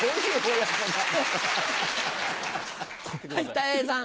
たい平さん。